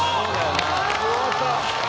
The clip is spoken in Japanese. よかった！